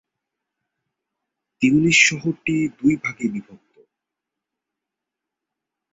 Tunis শহরটি দুই ভাগে বিভক্ত।